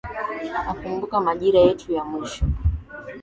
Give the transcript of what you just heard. Nakumbuka majira yetu ya mwisho